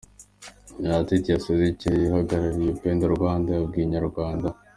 Laetitia Sezicyeye uhagarariye Upendo Rwanda, yabwiye Inyarwanda.